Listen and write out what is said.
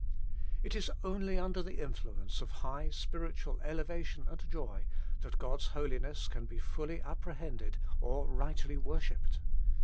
It is only under the influence of high spiritual elevation and joy that God's holiness can be fully apprehended or rightly worshipped.